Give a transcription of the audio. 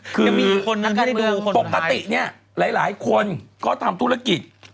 คือมีคนปกติเนี่ยหลายคนก็ทำธุรกิจ